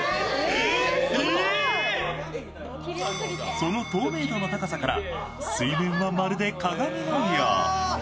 その透明度の高さから水面はまるで鏡のよう。